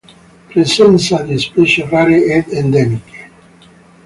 Presenza di specie rare ed endemiche.